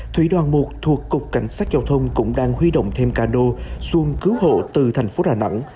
thủy đoàn một thuộc cục cảnh sát giao thông cũng đang huy động thêm cà nô xuông cứu hộ từ thành phố rà nẵng